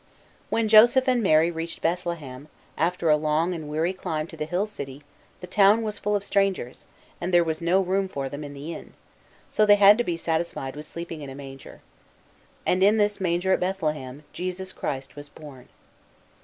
When Joseph and Mary reached Bethlehem, after a long and weary climb to the hill city, the town was full of strangers, and there was no room for them in the inn ; so they had to be satisfied with sleeping in a manger. And in this manger at Bethlehem, Jesus Christ was born.